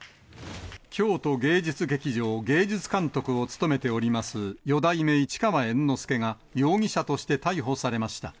京都芸術劇場芸術監督を務めております四代目市川猿之助が容疑者として逮捕されました。